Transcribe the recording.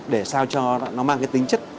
để sao cho nó mang cái tính chất